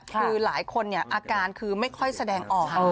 คือหลายคนอาการคือไม่ค่อยแสดงออก